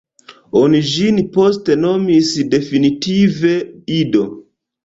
Oni ĝin poste nomis definitive "Ido".